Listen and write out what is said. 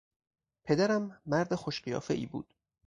پدرم مرد خوش قیافهای بود.